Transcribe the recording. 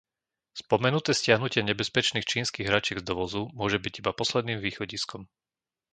Spomenuté stiahnutie nebezpečných čínskych hračiek z dovozu môže byť iba posledným východiskom.